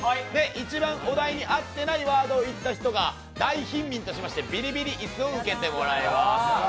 一番お題に合ってないワードを言った人が大貧民としまして、ビリビリ椅子を受けてもらいます。